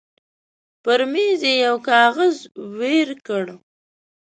پر مېز يې يو کاغذ وېړ کړ.